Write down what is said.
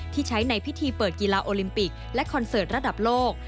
ที่ใช้ในพิธีเปิดกีฬาโอลิมปิกและคอนเสิร์ตระดับโลก